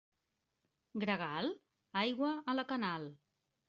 Gregal?, aigua a la canal.